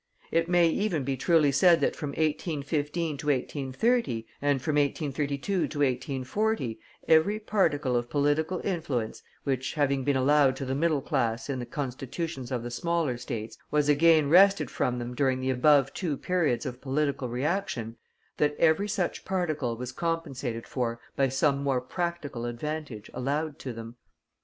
It may even be truly said that from 1815 to 1830, and from 1832 to 1840, every particle of political influence, which, having been allowed to the middle class in the constitutions of the smaller States, was again wrested from them during the above two periods of political reaction, that every such particle was compensated for by some more practical advantage allowed to them.